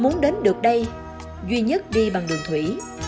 muốn đến được đây duy nhất đi bằng đường thủy